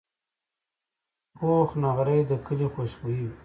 پوخ نغری د کلي خوشبويي وي